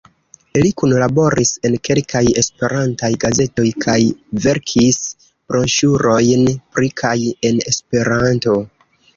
Li kunlaboris en kelkaj esperantaj gazetoj, kaj verkis broŝurojn pri kaj en Esperanto.